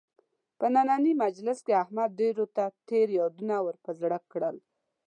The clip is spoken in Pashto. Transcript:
په نننۍ مجلس کې احمد ډېرو ته تېر یادونه ور په زړه کړل.